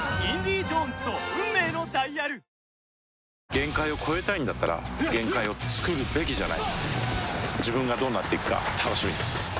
限界を越えたいんだったら限界をつくるべきじゃない自分がどうなっていくか楽しみです